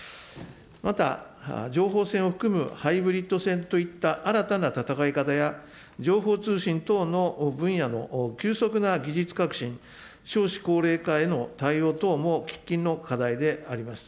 また、情報戦を含むハイブリッド戦といった新たな戦い方や、情報通信等の分野の急速な技術革新、少子高齢化への対応等も喫緊の課題であります。